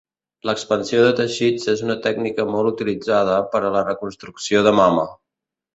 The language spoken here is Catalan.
L'expansió de teixits és una tècnica molt utilitzada per a la reconstrucció de mama.